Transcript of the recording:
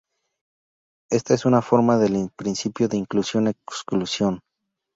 Esta es una forma del principio de inclusión-exclusión.